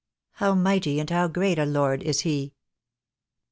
How mighty and how great a Lord is he!"